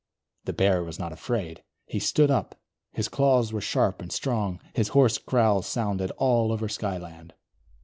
The Bear was not afraid. He stood up; his claws were sharp and strong; his hoarse growls sounded all over Skyland.